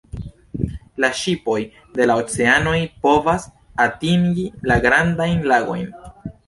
La ŝipoj de la oceanoj povas atingi la Grandajn Lagojn.